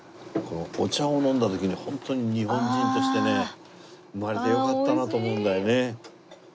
お茶を飲んだ時にホントに日本人としてね生まれてよかったなと思うんだよね。